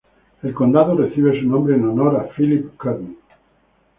El condado recibe su nombre en honor a Philip Kearny.